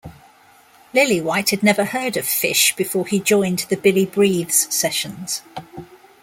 Lillywhite had never heard of Phish before he joined the "Billy Breathes" sessions.